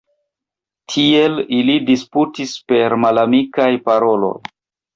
Tiel ili disputis per malamikaj paroloj.